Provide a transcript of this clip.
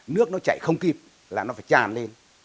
nước nó chảy không kịp là nó phải tràn lên